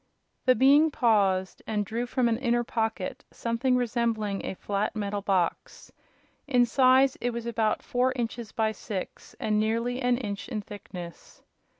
The Being paused, and drew from an inner pocket something resembling a flat metal box. In size it was about four inches by six, and nearly an inch in thickness.